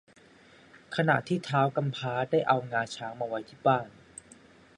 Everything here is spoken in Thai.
ขณะที่ท้าวกำพร้าได้เอางาช้างมาไว้ที่บ้าน